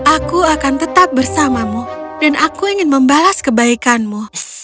aku akan tetap bersamamu dan aku ingin membalas kebaikanmu